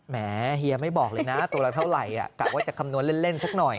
แหมเฮียไม่บอกเลยนะตัวละเท่าไหร่กะว่าจะคำนวณเล่นสักหน่อย